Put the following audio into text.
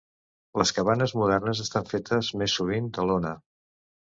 Les cabanes modernes estan fetes més sovint de lona.